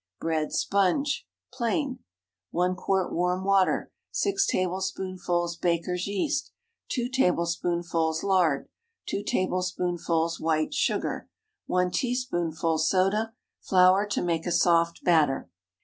BREAD SPONGE (Plain.) ✠ 1 quart warm water. 6 tablespoonfuls baker's yeast. 2 tablespoonfuls lard. 2 tablespoonfuls white sugar. 1 teaspoonful soda. Flour to make a soft batter.